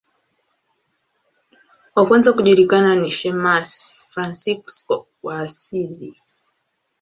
Wa kwanza kujulikana ni shemasi Fransisko wa Asizi.